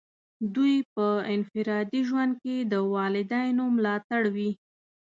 دوی په انفرادي ژوند کې د والدینو ملاتړ وي.